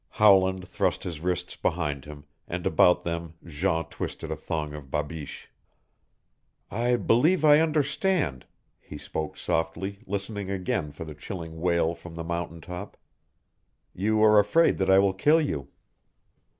Howland thrust his wrists behind him and about them Jean twisted a thong of babeesh. "I believe I understand," he spoke softly, listening again for the chilling wail from the mountain top. "You are afraid that I will kill you."